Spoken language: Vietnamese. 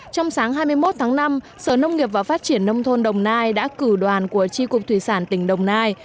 trong sáng hai mươi một tháng năm sở nông nghiệp và phát triển nông thôn đồng nai đã cử đoàn của tri cục thủy sản tỉnh đồng nai